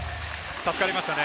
助かりましたね。